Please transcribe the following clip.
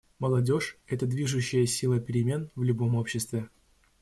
Молодежь — это движущая сила перемен в любом обществе.